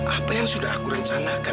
apa yang sudah aku rencanakan